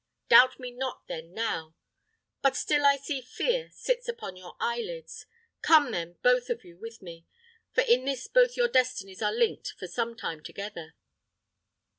Doubt me not then now; but still I see fear sits upon your eyelids. Come, then, both of you with me, for in this both your destinies are linked for a time together.